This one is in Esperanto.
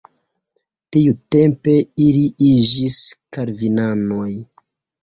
Tiutempe ili iĝis kalvinanoj.